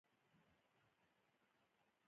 دښتې د افغان کلتور سره تړاو لري.